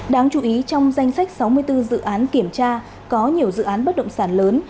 đáng chú ý trong danh sách sáu mươi bốn dự án kiểm tra có nhiều dự án bất động sản lớn